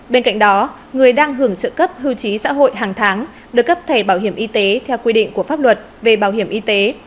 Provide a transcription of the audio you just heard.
bên cạnh đó người đang hưởng trợ cấp hưu trí xã hội hàng tháng được cấp thẻ bảo hiểm y tế theo quy định của pháp luật về bảo hiểm y tế